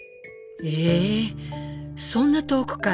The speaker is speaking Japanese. えそんな遠くから？